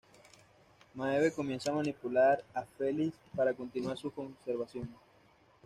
Maeve comienza a manipular a Felix para continuar con sus conversaciones.